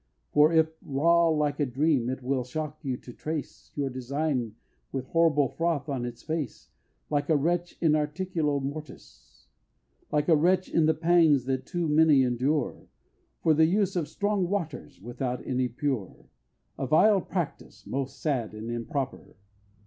For if raw like a dram, it will shock you to trace Your design with a horrible froth on its face, Like a wretch in articulo mortis. Like a wretch in the pangs that too many endure From the use of strong waters, without any pure, A vile practice, most sad and improper!